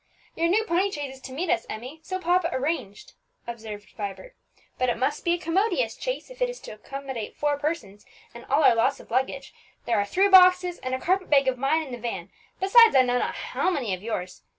"Your new pony chaise is to meet us, Emmie, so papa arranged," observed Vibert; "but it must be a commodious chaise if it is to accommodate four persons, and all our lots of luggage. There are three boxes and a carpet bag of mine in the van, besides I know not how many of yours.